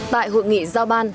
tại hội nghị giao ban